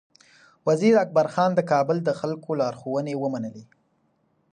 وزیر اکبر خان د کابل د خلکو لارښوونې ومنلې.